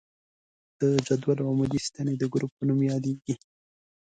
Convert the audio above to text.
د جدول عمودي ستنې د ګروپ په نوم یادیږي.